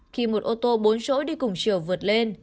khi một ô tô bốn chỗ đi cùng chiều vượt lên